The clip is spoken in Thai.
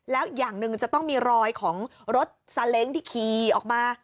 แล้วอย่างหนึ่งจะต้องมีรอยของรถซาเล้งที่ขี่ออกมา